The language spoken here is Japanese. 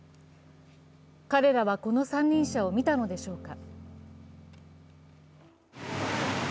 彼らはこの三輪車を見たのでしょうか。